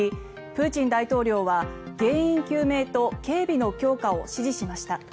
プーチン大統領は原因究明と警備の強化を指示しました。